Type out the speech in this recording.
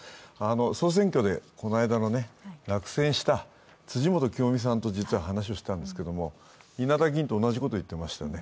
総選挙でこの間落選した辻元清美さんと実は話をしたんですけど稲田議員と同じことを言っていましたね。